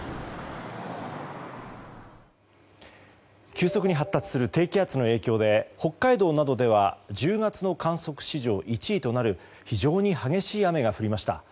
急速に発達する低気圧の影響で北海道などでは１０月の観測史上１位となる非常に激しい雨が降りました。